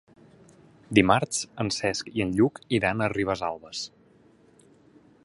Dimarts en Cesc i en Lluc iran a Ribesalbes.